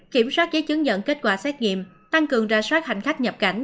kiểm soát giấy chứng nhận kết quả xét nghiệm tăng cường ra soát hành khách nhập cảnh